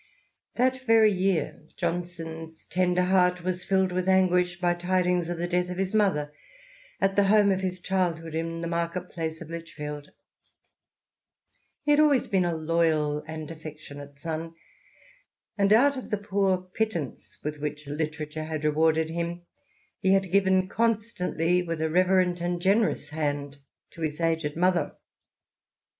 That very year Johnson's tender heart was filled with anguish by tidings of the death of his mother at the home of his childhood in the market place of Lichfield. He had always been a loyal and affectionate son, and out of the poor pittance with which literature had rewarded him, he had given constantly with a reverent and generous hand to his aged mother.